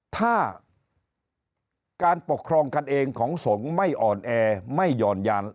ถ้าการปกครองกันเองของสงฆ์ไม่อ่อนแอไม่หย่อนยาน